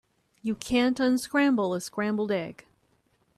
You can't unscramble a scrambled egg.